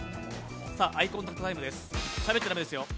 アイコンタクトタイムですしゃべっちゃ駄目ですよ。